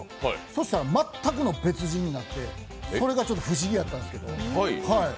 そうしたら、全くの別人になって、それがちょっと不思議だったんですけど。